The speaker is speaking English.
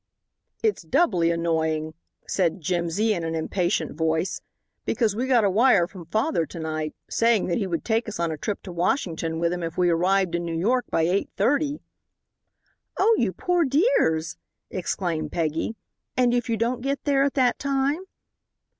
"It's doubly annoying," said Jimsy, in an impatient voice, "because we got a wire from father to night, saying that he would take us on a trip to Washington with him if we arrived in New York by eight thirty." "Oh, you poor dears," exclaimed Peggy, "and if you don't get there at that time?"